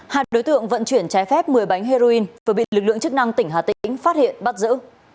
hai đối tượng vận chuyển trái phép một mươi bánh heroin vừa bị lực lượng chức năng tỉnh hà tĩnh phát hiện bắt giữ